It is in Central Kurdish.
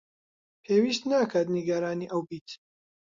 پێویست ناکات نیگەرانی ئەو بێت.